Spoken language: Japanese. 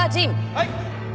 はい。